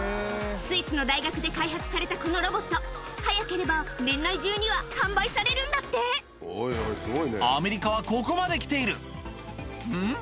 スイスの大学で開発されたこのロボット早ければ年内中には販売されるんだってアメリカはここまで来ているん？